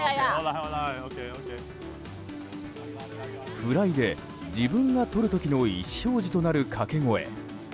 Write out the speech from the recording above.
フライで自分がとる時の意思表示となる掛け声。